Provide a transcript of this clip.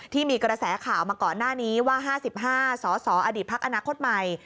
ที่มีกระแสข่าวมาก่อนหน้านี้ว่า๕๕สสอดีตพักอนาคตใหม่